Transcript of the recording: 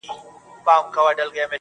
حسن خو زر نه دى چي څوك يې پـټ كــړي~